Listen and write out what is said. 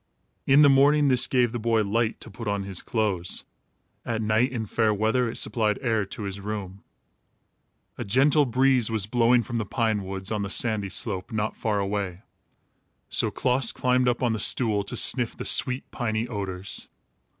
In the morning, this gave the boy light to put on his clothes. At night, in fair weather, it supplied air to his room. A gentle breeze was blowing from the pine woods on the sandy slope, not far away. So Klaas climbed up on the stool to sniff the sweet piny odors.